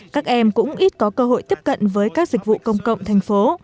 các em cũng ít có cơ hội tiếp cận với các dịch vụ công cộng thành phố